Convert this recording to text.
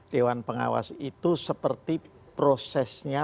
dewan pengawas itu seperti prosesnya